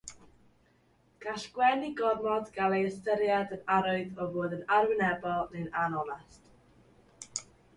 Gall gwenu gormod gael ei ystyried yn arwydd o fod yn arwynebol neu'n anonest.